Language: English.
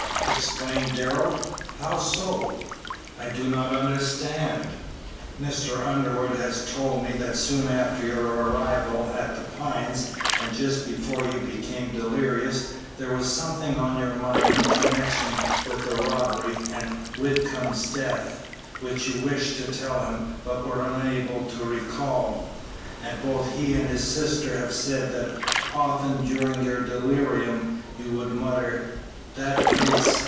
exclaimed Darrell. "How so? I do not understand." "Mr. Underwood has told me that soon after your arrival at The Pines and just before you became delirious, there was something on your mind in connection with the robbery and Whitcomb's death which you wished to tell him but were unable to recall; and both he and his sister have said that often during your delirium you would mutter, 'That face!